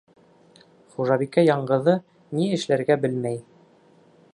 Хужабикә яңғыҙы, ни эшләргә белмәй.